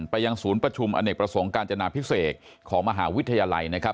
ยังศูนย์ประชุมอเนกประสงค์การจนาพิเศษของมหาวิทยาลัยนะครับ